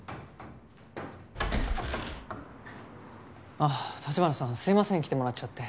あっ城華さんすいません来てもらっちゃって。